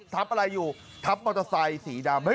ทับอะไรอยู่ทับมอเตอร์ไซค์สีดำ